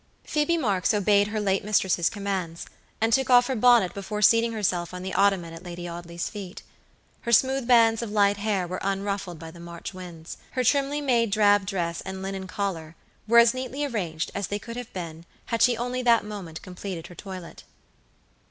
Phoebe Marks obeyed her late mistress' commands, and took off her bonnet before seating herself on the ottoman at Lady Audley's feet. Her smooth bands of light hair were unruffled by the March winds; her trimly made drab dress and linen collar were as neatly arranged as they could have been had she only that moment completed her toilet.